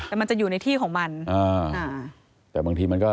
แฮมจะอยู่ในที่ของมัน